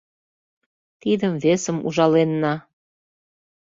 Тидым-весым ужаленна